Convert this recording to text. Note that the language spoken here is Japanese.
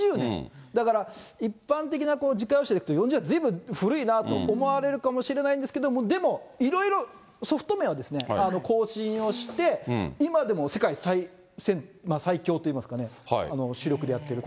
だから、一般的な自家用車だと、ずいぶん古いなと思われるかもしれないんですけど、でも、いろいろソフト面は更新をして、今でも世界最強といいますかね、主力でやってる。